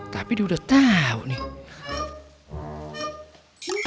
tapi dia udah tahu nih